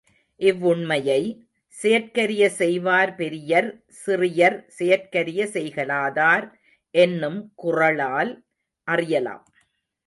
இவ்வுண்மையை, செயற்கரிய செய்வார் பெரியர் சிறியர் செயற்கரிய செய்கலா தார் என்னும் குறளால் அறியலாம்.